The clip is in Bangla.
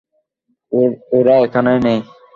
ওরা এখানে নেই।